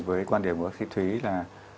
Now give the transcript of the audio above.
với quan điểm của các sĩ thúy là